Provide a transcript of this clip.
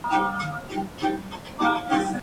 Es el más peligroso del planeta.